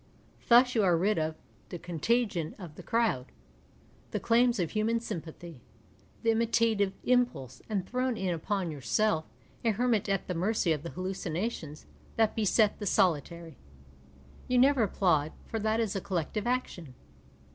Thus you are rid of the " contagion of the crowd," the claims of human sympathy, the imitative impulse, and thrown in upon yourself, a hermit at the mercy of the hallucinations that beset the soli tary. You never applaud, for that is a collective action.